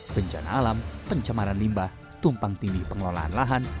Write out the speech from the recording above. bencana alam pencemaran limbah tumpang tindih pengelolaan lahan